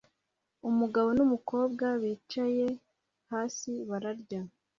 Umugabo numukobwa bicaye hasi bararya